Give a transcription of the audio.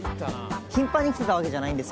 頻繁に来てたわけじゃないんですけど。